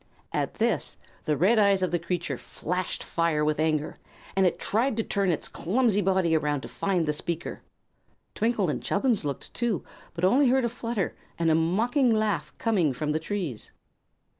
At this the red eyes of the creature flashed fire with anger, and it tried to turn its clumsy body around to find the speaker. Twinkle and Chubbins looked too, but only heard a flutter and a mocking laugh coming from the trees.